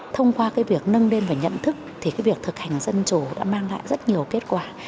thông qua cái việc nâng lên và nhận thức thì cái việc thực hành dân chủ đã mang lại rất nhiều kết quả